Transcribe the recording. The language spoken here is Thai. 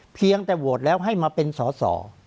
เพียงแต่โหวตแล้วให้มาเป็นสอสอ